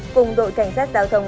cùng đội cảnh sát giao thông